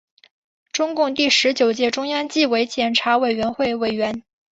中共第十九届中央纪律检查委员会委员。